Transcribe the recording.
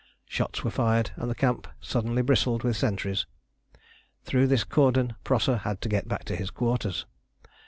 Shots were fired and the camp suddenly bristled with sentries. Through this cordon Prosser had to get back to his quarters.